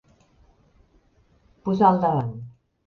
Posar al davant.